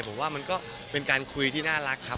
ผมว่ามันก็เป็นการคุยที่น่ารักครับ